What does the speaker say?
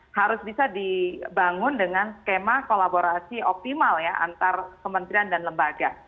harus bisa dibangun dengan skema kolaborasi optimal ya antar kementerian dan lembaga